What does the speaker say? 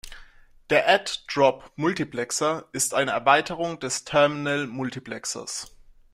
Der Add-Drop-Multiplexer ist eine Erweiterung des Terminal-Multiplexers.